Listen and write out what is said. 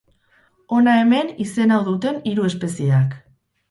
Hona hemen izen hau duten hiru espezieak.